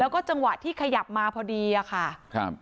แล้วก็จังหวะที่ขยับมาพอดีอะค่ะครับ